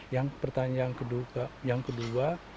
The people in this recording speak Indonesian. yang kedua apakah pencemaran itu menyebabkan risiko atau tidak